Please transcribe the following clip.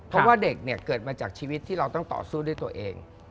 เพราะว่าเด็กเนี่ยเกิดมาจากชีวิตที่เราต้องต่อสู้ด้วยตัวเอง